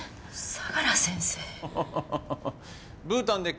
相良先生。